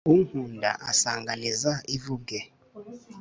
Unkunda asanganiza ivubwe,